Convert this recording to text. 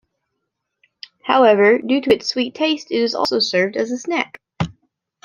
However, due to its sweet taste it is also served as a snack.